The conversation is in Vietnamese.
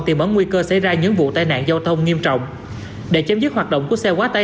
gây nguy cơ xảy ra những vụ tai nạn giao thông nghiêm trọng để chấm dứt hoạt động của xe quá tải